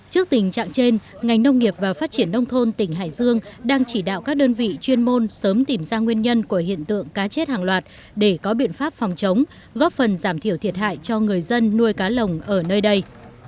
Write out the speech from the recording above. trước tình trạng trên ngành nông nghiệp và phát triển nông thôn tỉnh hải dương đang chỉ đạo các đơn vị chuyên môn sớm tìm ra nguyên nhân của hiện tượng cá chết hàng loạt để có biện pháp phòng chống góp phần giảm thiểu thiệt hại cho người dân nuôi cá lồng ở nơi đây